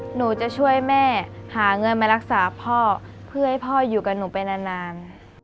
หนูจะช่วยแม่หาเงินมารักษาพ่อเพื่อให้พ่ออยู่กับหนูไปนาน